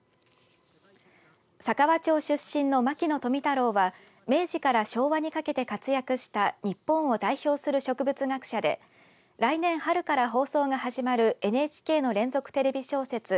佐川町出身の牧野富太郎は明治から昭和にかけて活躍した日本を代表する植物学者で来年春から放送が始まるＮＨＫの連続テレビ小説